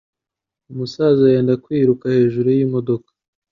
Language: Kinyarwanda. Umusaza yenda kwiruka hejuru yimodoka.